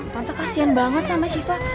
tante kasian banget sama syifa